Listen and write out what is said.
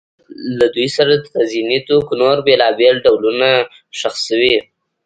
له دوی سره د تزیني توکو نور بېلابېل ډولونه ښخ شوي